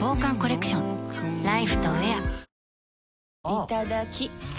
いただきっ！